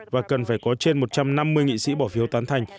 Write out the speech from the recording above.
và cần phải có trên một trăm năm mươi nghị sĩ bỏ phiếu tán thành